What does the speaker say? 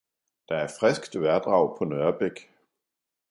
Der er friskt vejrdrag på Nørrebæk!